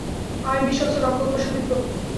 আমি বিশ্বস্ত রক্ষক ও সুবিজ্ঞ।